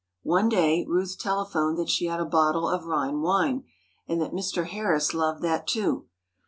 One day, Ruth telephoned that she had a bottle of Rhine wine, and that Mr. Harris loved that, too.